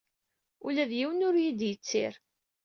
Ula d yiwen ur iyi-d-yettir.